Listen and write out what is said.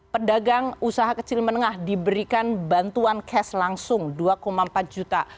pedagang usaha kecil menengah diberikan bantuan cash langsung dua empat juta